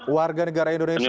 warga negara indonesia